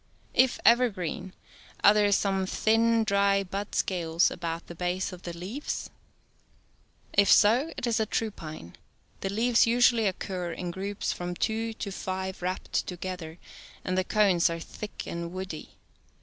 If evergreen, are there some thin dry bud scales about the base of the leaves .f^ 90 If so, it is a true pine. The leaves usually occur in groups of from two to five wrapped together, and the cones are thick and woody.